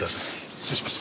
失礼します。